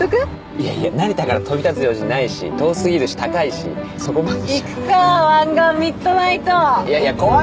いやいや成田から飛び立つ用事ないし遠すぎるし高いしそこまでじゃ行くか湾岸ミッドナイト！